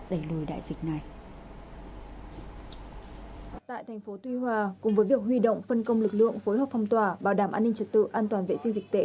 tại thành phố tuy hòa cùng với việc huy động phân công lực lượng phối hợp phong tỏa bảo đảm an ninh trật tự an toàn vệ sinh dịch tễ